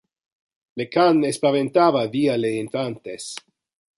Le can espaventava via le infantes.